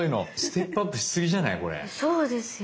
そうですよ。